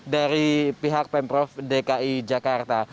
dari pihak pemprov dki jakarta